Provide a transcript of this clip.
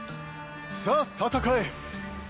さぁ戦え。